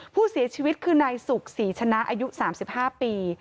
ผู้เสียชีวิตคือนายสุขศรีชนะอายุ๓๕ปี